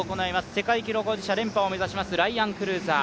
世界記録保持者連覇を目指しますライアン・クルーザー。